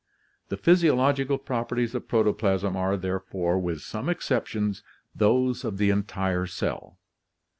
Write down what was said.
The physiological properties of protoplasm are, therefore, with some exceptions, those of the entire cell.